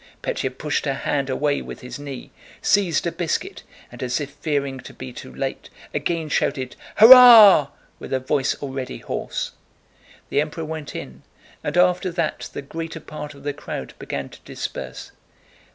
Pétya pushed her hand away with his knee, seized a biscuit, and as if fearing to be too late, again shouted "Hurrah!" with a voice already hoarse. The Emperor went in, and after that the greater part of the crowd began to disperse.